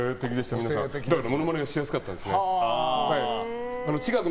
だからものまねがしやすかったんです。